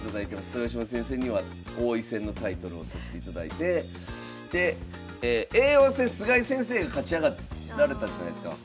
豊島先生には王位戦のタイトルを取っていただいて叡王戦菅井先生が勝ち上がられたじゃないすか。